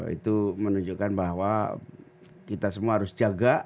itu menunjukkan bahwa kita semua harus jaga